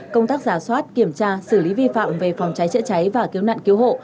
công tác giả soát kiểm tra xử lý vi phạm về phòng cháy chữa cháy và cứu nạn cứu hộ